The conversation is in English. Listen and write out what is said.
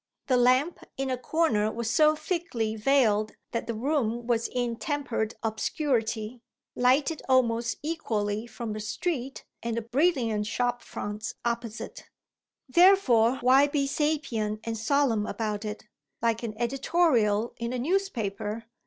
The lamp, in a corner, was so thickly veiled that the room was in tempered obscurity, lighted almost equally from the street and the brilliant shop fronts opposite. "Therefore why be sapient and solemn about it, like an editorial in a newspaper?"